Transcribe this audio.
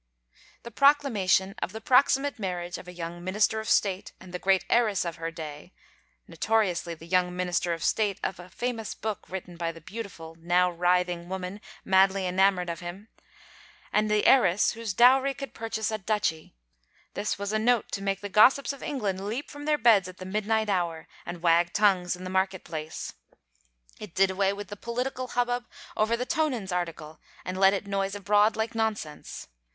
The proclamation of the proximate marriage of a young Minister of State and the greatest heiress of her day; notoriously 'The young Minister of State' of a famous book written by the beautiful, now writhing, woman madly enamoured of him and the heiress whose dowry could purchase a Duchy; this was a note to make the gossips of England leap from their beds at the midnight hour and wag tongues in the market place. It did away with the political hubbub over the Tonans article, and let it noise abroad like nonsense.